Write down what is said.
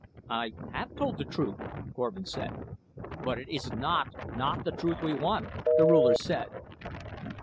"I have told the truth," Korvin said. "But it is not not the truth we want," the Ruler said.